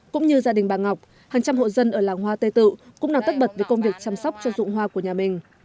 cũng như gia đình bà ngọc hàng trăm hộ dân ở làng hoa tây tự cũng đang tất bật với công việc chăm sóc cho dụng hoa của nhà mình